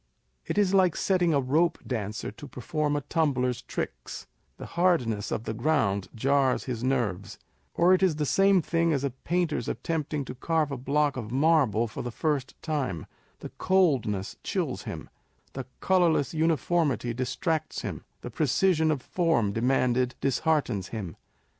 It is like setting a rope dancer to perform a tumbler's tricks â€" the hardness of the ground jars his nerves ; or it is the same thing as a painter's attempting to carve a block of marble for the first time â€" the coldness chills him, the colourless uniformity distracts him, the precision of form demanded disheartens him.